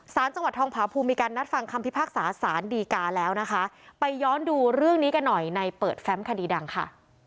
สารจังหวัดทองผาภูมิมีการนัดฟังคำพิพากษาสารดีกาแล้วนะคะไปย้อนดูเรื่องนี้กันหน่อยในเปิดแฟมคดีดังค่ะ